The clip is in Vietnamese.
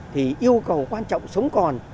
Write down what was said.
thì yêu cầu quan trọng sống còn